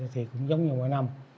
thì cũng giống như ngoài năm